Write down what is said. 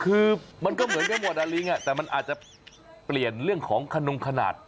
คือมันก็เหมือนกันหมดอะลิงแต่มันอาจจะเปลี่ยนเรื่องของขนงขนาด